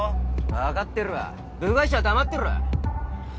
分かってるわ部外者は黙ってろ！